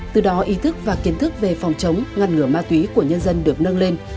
từ đó ý thức và kiến thức về phòng chống ngăn ngừa ma túy của nhân dân được nâng lên